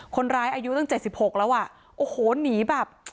คนร้ายอายุตั้ง๗๖แล้วอะโอ้โหหนีแบบ